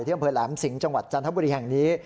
อำเภอแหลมสิงห์จังหวัดจันทบุรีแห่งนี้